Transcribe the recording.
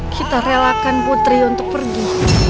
kita relakan putri untuk pergi